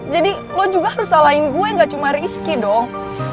jadi lo juga harus salahin gue gak cuma rizky dong